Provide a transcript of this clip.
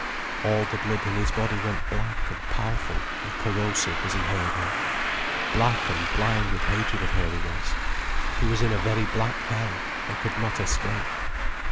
All the blood in his body went black and powerful and corrosive as he heard her. Black and blind with hatred of her he was. He was in a very black hell, and could not escape.